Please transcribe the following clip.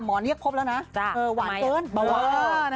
หมอนยกพบแล้วนะอะค่ะหวานต้นบางมีนะครับเอ้อ